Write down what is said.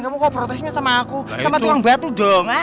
kamu kok protesnya sama aku sama tukang batu dong